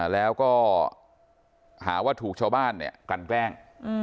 แล้วก็หาว่าถูกชาวบ้านกลั่นแกล้ง